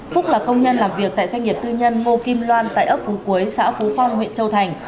phúc là công nhân làm việc tại doanh nghiệp tư nhân ngô kim loan tại ấp phú quế xã phú phong huyện châu thành